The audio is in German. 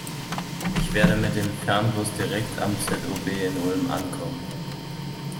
Ich werde mit dem Fernbus direkt am ZOB in Ulm ankommen.